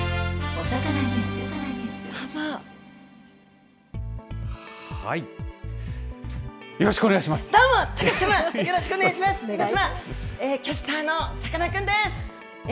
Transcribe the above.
私はキャスターのさかなクンです。